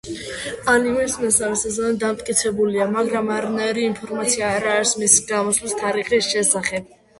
ანიმეს მესამე სეზონი დამტკიცებულია, მაგრამ არანაირი ინფორმაცია არ არის მისი გამოსვლის თარიღის შესახებ.